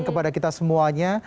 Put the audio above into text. kami semoga kita semuanya